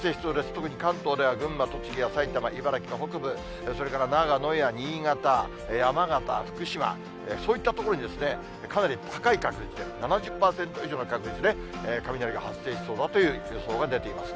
徳に関東では群馬、栃木や埼玉、茨城の北部、それから長野や新潟、山形、福島、そういった所に、かなり高い確率で、７０％以上の確率で雷が発生しそうだという予想が出ています。